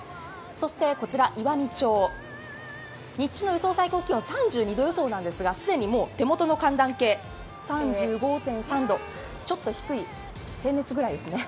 そしてこちら、岩美町日中の最高気温３２度予想なんですが既にもう手元の寒暖計、３５．３度、ちょっと低い平熱ぐらいですね。